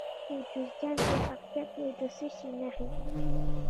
د جوزجان په اقچه کې د څه شي نښې دي؟